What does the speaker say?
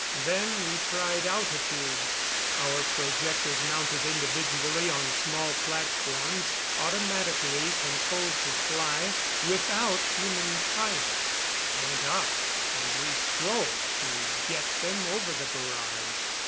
Then we tried altitude. Our projectors, mounted individually on small platforms automatically controlled to fly without human pilot, went up and we strove to get them over the barrage.